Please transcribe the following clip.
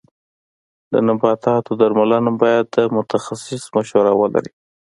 د نباتو درملنه باید د متخصص مشوره ولري.